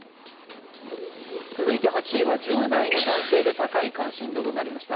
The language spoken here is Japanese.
続いて８位は１０代の男性で高い関心度となりました。